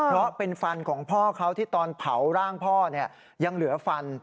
เพราะเป็นฟันของพ่อเขาที่ตอนเผาร่างพ่อยังเหลือฟัน